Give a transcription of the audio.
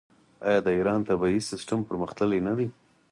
آیا د ایران طبي سیستم پرمختللی نه دی؟